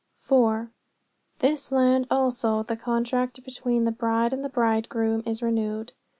4. "In this land also the contract between the bride and the bridegroom is renewed."